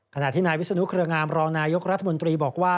ขณะที่นายวิศนุเครืองามรองนายกรัฐมนตรีบอกว่า